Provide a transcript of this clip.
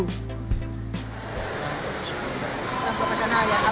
tidak ada yang bisa dipindahkan